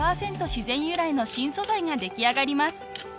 自然由来の新素材が出来上がります］